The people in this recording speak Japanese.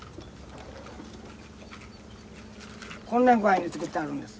こんな具合に作ってあるんです。